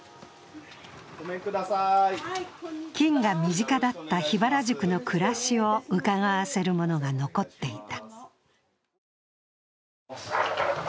金が身近だった桧原宿の暮らしをうかがわせるものが残っていた。